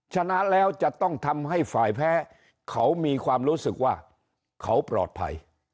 ชนะแล้วจะต้องทำให้ฝ่ายแพ้เขามีความรู้สึกว่าเขาปลอดภัย